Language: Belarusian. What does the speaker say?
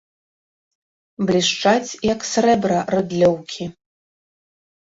Блішчаць, як срэбра, рыдлёўкі.